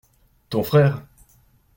Ton frère.